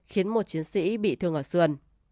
khiến một chiến sĩ bị thương ở xườn